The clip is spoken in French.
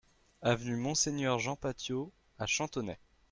Avenue Monseigneur Jean Batiot à Chantonnay